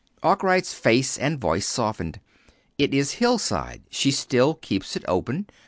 Arkwright's face and voice softened. "It is Hillside. She still keeps it open.